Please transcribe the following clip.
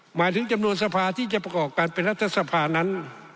หมายถึงจำนวนสภาที่จะประกอบการเป็นรัฐสภานั้น